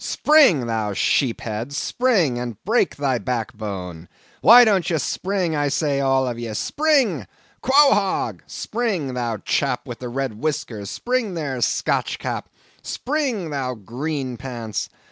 "Spring, thou sheep head; spring, and break thy backbone! Why don't ye spring, I say, all of ye—spring! Quohog! spring, thou chap with the red whiskers; spring there, Scotch cap; spring, thou green pants.